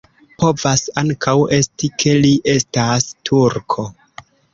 Povas ankaŭ esti, ke li estas turko.